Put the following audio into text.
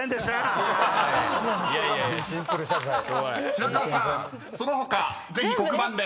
［白河さんその他ぜひ黒板で］